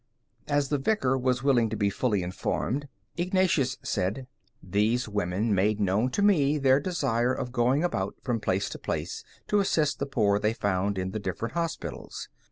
As the Vicar was willing to be fully informed, Ignatius said: "These women made known to me their desire of going about from place to place to assist the poor they found in the different hospitals.